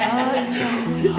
sini aku kesini dulu